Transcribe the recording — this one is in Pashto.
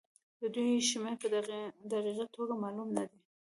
د دوی شمېر په دقيقه توګه معلوم نه دی.